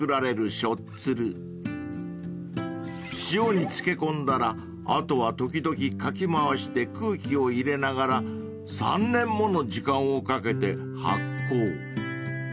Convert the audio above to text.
［塩に漬け込んだらあとは時々かき回して空気を入れながら３年もの時間をかけて発酵］